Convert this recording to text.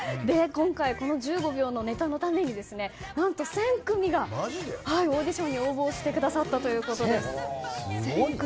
今回、この１５秒のネタのために、何と１０００組がオーディションに応募をしてくださったということです。